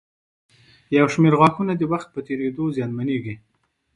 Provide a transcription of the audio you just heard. یو شمېر غاښونه د وخت په تېرېدو زیانمنېږي.